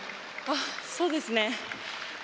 そうですね。